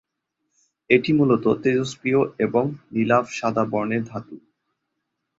এটি মূলত তেজস্ক্রিয় এবং নীলাভ সাদা বর্ণের ধাতু।